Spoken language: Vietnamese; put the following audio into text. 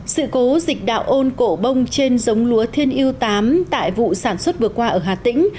sự cố dịch đạo ôn cổ bông trên giống lúa thiên yêu tám tại vụ sản xuất vừa qua ở hà tĩnh